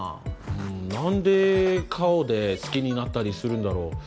んなんで顔で好きになったりするんだろう？